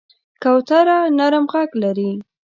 کوتره نرم غږ لري.